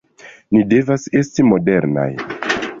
Ni devas esti modernaj!